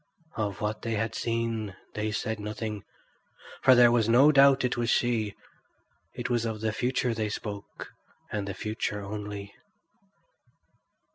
Of what they had seen they said nothing, for there was no doubt it was she; it was of the future they spoke, and the future only.